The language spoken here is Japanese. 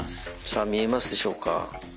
さあ見えますでしょうか？